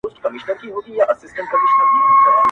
عدالت بايد رامنځته سي ژر,